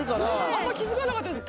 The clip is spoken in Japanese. あんま気付かなかったです。